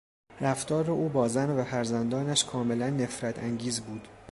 رفتار او با زن و فرزندانش کاملا نفرت انگیز بود.